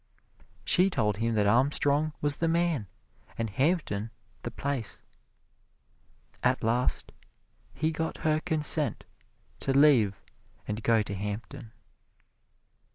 She told him that Armstrong was the man and Hampton the place. At last he got her consent to leave and go to Hampton.